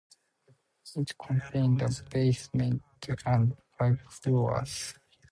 It contained a basement and five floors.